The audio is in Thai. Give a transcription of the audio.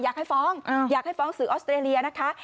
อยากให้ฟ้องอยากให้ฟ้องสื่อออสเตรเลียนะคะ